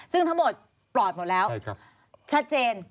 ซึ่งทั้งหมดปลอดหมดแล้วชัดเจน